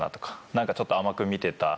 なんかちょっと甘く見てた。